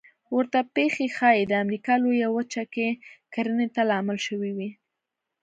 ورته پېښې ښایي د امریکا لویه وچه کې کرنې ته لامل شوې وي